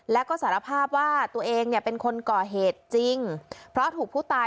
แล้วก็สารภาพว่าตัวเองเนี่ยเป็นคนก่อเหตุจริงเพราะถูกผู้ตาย